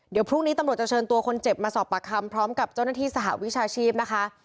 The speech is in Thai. เดี๋ยวพรุ่งนี้ตำรวจจะเชิญตัวคนเจ็บมาสอบปากคำพร้อมกับเจ้าหน้าที่สหวิชาชีพนะคะ